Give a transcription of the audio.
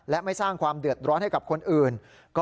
และไม่สร้างความเดือดร้อนให้กับคนอื่น